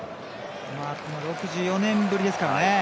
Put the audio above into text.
この６４年ぶりですからね。